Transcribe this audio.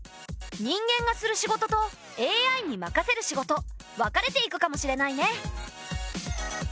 人間がする仕事とＡＩに任せる仕事分かれていくかもしれないね。